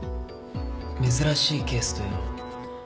珍しいケースというのは？